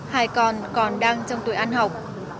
hai con còn đang trong tuổi ăn học